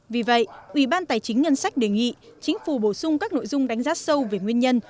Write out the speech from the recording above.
vì vậy ủy ban tài chính ngân sách đề nghị chính phủ bổ sung các nội dung đánh giá sâu về nguyên nhân